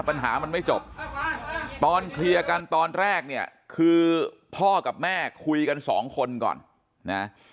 ปัญหามันไม่จบตอนเคลียร์กันตอนแรกเนี่ยคือพ่อกับแม่คุยกันสองคนก่อนนะ